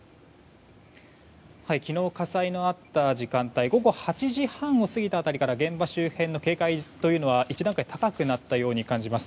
昨日、火災のあった時間帯午後８時半を過ぎた辺りから現場周辺の警戒というのは１段階高くなったように感じます。